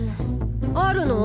あるの？